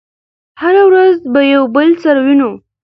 هره ورځ به يو بل سره وينو